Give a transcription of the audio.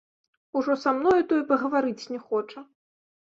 Ужо са мною, то і пагаварыць не хоча.